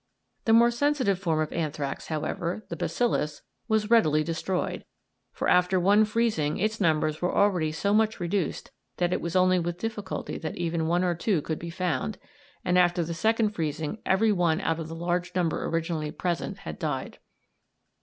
The more sensitive form of anthrax, however, the bacillus, was readily destroyed; for after one freezing its numbers were already so much reduced that it was only with difficulty that even one or two could be found, and after the second freezing every one out of the large number originally present had died.